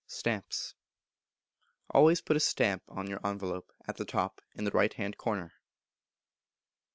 Stamps. Always put a Stamp on your envelope, at the top, in the right hand corner.